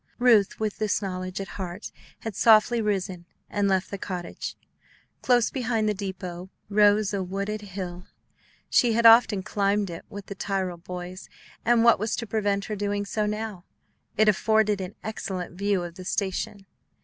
Ruth, with this knowledge at heart, had softly risen and left the cottage. Close behind the depot rose a wooded hill. She had often climbed it with the Tyrrell boys; and what was to prevent her doing so now? It afforded an excellent view of the station.